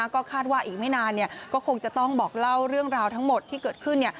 ก็คาดว่าอีกไม่นานก็คงจะต้องบอกเล่าเรื่องราวทั้งหมดที่เกิดขึ้น